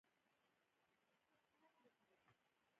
زما خور د ګلانو باغ ته اوبه ورکوي.